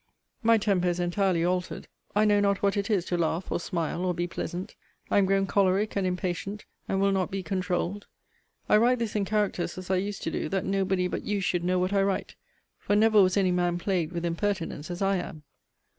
My temper is entirely altered. I know not what it is to laugh, or smile, or be pleasant. I am grown choleric and impatient, and will not be controuled. I write this in characters as I used to do, that nobody but you should know what I write. For never was any man plagued with impertinents as I am.